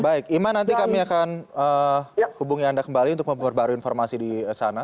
baik iman nanti kami akan hubungi anda kembali untuk memperbarui informasi di sana